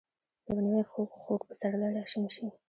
یو نوی ،خوږ. خوږ پسرلی راشین شي